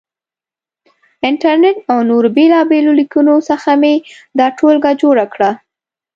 انټرنېټ او نورو بېلابېلو لیکنو څخه مې دا ټولګه جوړه کړه.